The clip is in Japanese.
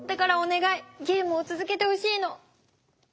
ゲームをつづけてほしいの。